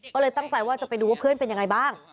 ก็เลยตั้งใจว่าจะไปดูว่าเพื่อนเป็นยังไงบ้าง